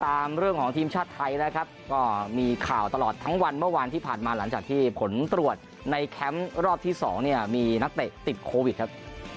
ตามเรื่องของทีมชาติไทยนะครับก็มีข่าวตลอดทั้งวันเมื่อวานที่ผ่านมาหลังจากที่ผลตรวจในแคมป์รอบที่สองเนี่ยมีนักเตะติดโควิดครับ